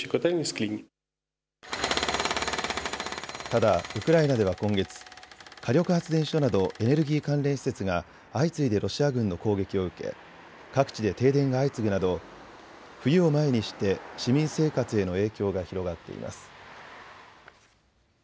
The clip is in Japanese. ただ、ウクライナでは今月、火力発電所などエネルギー関連施設が相次いでロシア軍の攻撃を受け各地で停電が相次ぐなど冬を前にして市民生活への影響が広がっています。